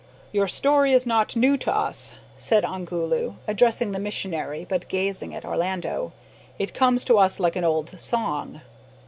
"Your story is not new to us," said Ongoloo, addressing the missionary, but gazing at Orlando, "it comes to us like an old song."